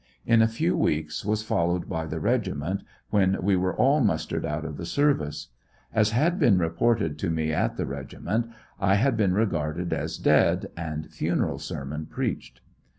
In a few weeks was followed by the regiment, when we were all mustered out of the service. As had been reported to me at the regiment, I had been regarded as dead, and funeral sermon preached.